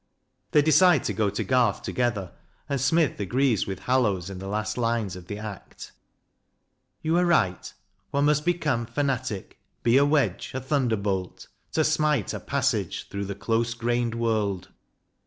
They decide to go to Garth together, and Smith agrees with Hallowes in the last lines of the act : JOHN DAVIDSON: REALIST 195 You are right one must become Fanatic be a wedge, a thunderbolt To smite a passage through the close grained world.